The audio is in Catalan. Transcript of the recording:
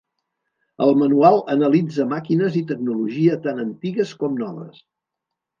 El manual analitza màquines i tecnologia tant antigues com noves.